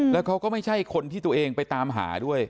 แล้วเขาก็ไม่ใช่คนที่ตัวเองไปตามหาด้วย